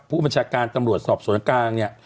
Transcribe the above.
ผู้บัญชาการตำรวจสอบสวนกลางเนี่ย